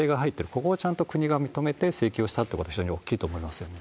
ここはちゃんと国が認めて、請求をしたってことが非常に大きいと思いますよ。